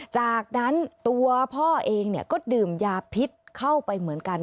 จากนั้นตัวพ่อเองก็ดื่มยาพิษเข้าไปเหมือนกัน